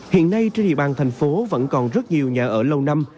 hiện nay trên địa bàn thành phố vẫn còn rất nhiều nhà ở lâu năm